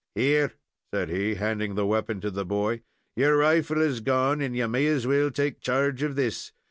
"Here," said he, handing the weapon to the boy; "your rifle is gone, and you may as well take charge of this.